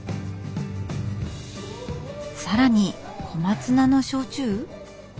更に小松菜の焼酎？